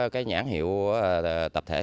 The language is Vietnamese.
cái nhãn hiệu tập thể